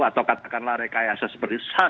atau katakanlah rekayasa seperti